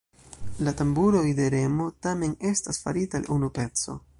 La tamburoj de Remo tamen estas farita el unu peco.